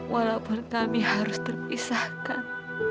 walaupun kami harus terpisahkan